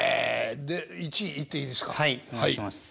で１位いっていいですか？